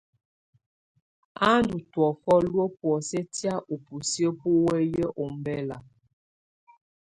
Á ndù tɔ̀ofɔ luǝ́ bɔ̀ósɛ tɛ̀á ú busiǝ́ bù wǝ̀yi ɔmbɛla.